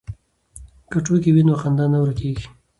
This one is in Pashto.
که ټوکې وي نو خندا نه ورکېږي.